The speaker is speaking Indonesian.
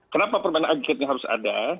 kenapa permintaan agregat yang harus ada